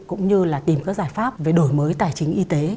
cũng như là tìm các giải pháp về đổi mới tài chính y tế